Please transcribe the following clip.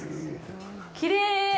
きれい！